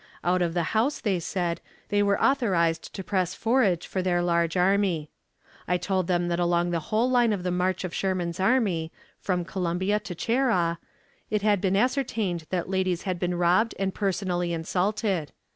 Out of the house, they said, they were authorized to press forage for their large army. I told them that along the whole line of the march of Sherman's army, from Columbia to Cheraw, it had been ascertained that ladies had been robbed and personally insulted.